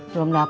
belum dapet mak